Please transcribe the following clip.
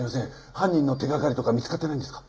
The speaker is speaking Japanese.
犯人の手掛かりとか見つかってないんですか？